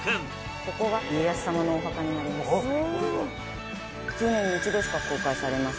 ここが家康様のお墓になります。